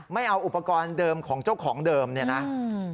ไม่เอาอุปกรณ์เดิมของเจ้าของเดิมเนี่ยนะ